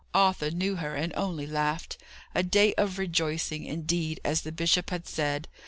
Arthur knew her, and only laughed. A day of rejoicing, indeed, as the bishop had said.